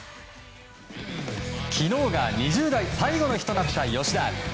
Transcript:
昨日が２０代最後の日となった吉田。